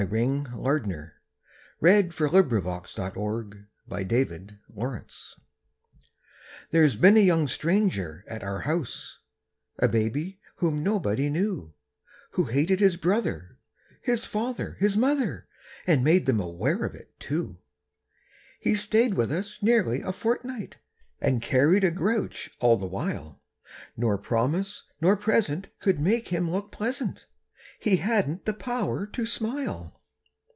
A VISIT FROM YOUNG GLOOM There's been a young stranger at our house, A baby whom nobody knew; Who hated his brother, his father, his mother, And made them aware of it, too. He stayed with us nearly a fortnight And carried a grouch all the while, Nor promise nor present could make him look pleasant; He hadn't the power to smile.